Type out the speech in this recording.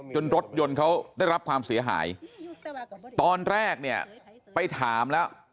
รถยนต์เขาได้รับความเสียหายตอนแรกเนี่ยไปถามแล้ว